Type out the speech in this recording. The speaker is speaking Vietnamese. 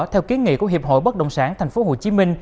theo kiến nghị của hiệp hội bất động sản tp hcm